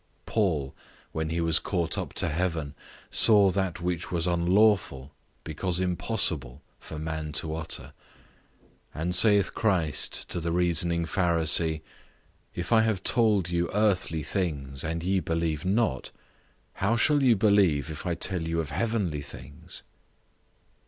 Paul, when he was caught up to heaven, saw that which was unlawful, because impossible, for man to utter. And saith Christ to the reasoning Pharisee, "If I have told you earthly things, and ye believe not, how shall you believe if I tell you of heavenly things?"